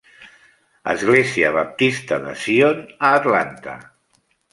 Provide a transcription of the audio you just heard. Església baptista de Zion a Atlanta.